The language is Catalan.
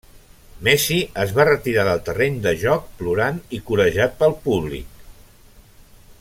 Messi es va retirar del terreny de joc plorant i corejat pel públic.